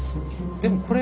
でもこれ。